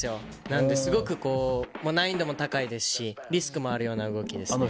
なのですごく難易度も高いですしリスクもあるような動きですね。